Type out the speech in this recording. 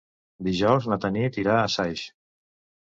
Dijous na Tanit irà a Saix.